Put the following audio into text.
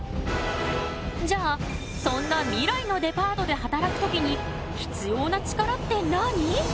じゃあそんな未来のデパートで働く時に必要なチカラって何？